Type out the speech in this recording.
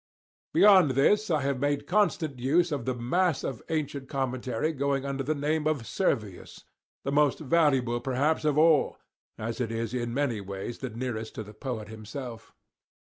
Beyond this I have made constant use of the mass of ancient commentary going under the name of Servius; the most valuable, perhaps, of all, as it is in many ways the nearest to the poet himself.